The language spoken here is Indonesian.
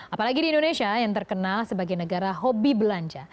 apalagi di indonesia yang terkenal sebagai negara hobi belanja